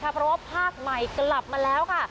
เพราะว่าภาคใหม่กลับมาแล้วค่ะ